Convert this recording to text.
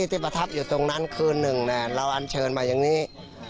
ประทับอยู่ตรงนั้นคืนหนึ่งเราอันเชิญมาอย่างนี้